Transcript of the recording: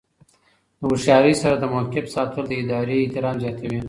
د هوښیارۍ سره د موقف ساتل د ادارې احترام زیاتوي.